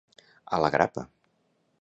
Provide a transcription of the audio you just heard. A la grapa.